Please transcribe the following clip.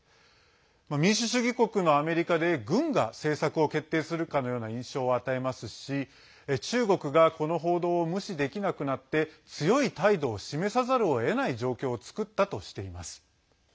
民主主義国のアメリカで軍が政策を決定するかのような印象を与えますし中国がこの報道を無視できなくなって強い態度を示さざるをえない状況を作ったとしています。